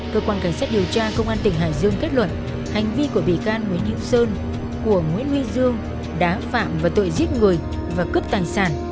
cơ quan cảnh sát điều tra công an tỉnh hải dương kết luận hành vi của bị can nguyễn hữu sơn của nguyễn huy dương đã phạm vào tội giết người và cướp tài sản